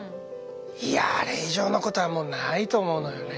いやあれ以上のことはもうないと思うのよね。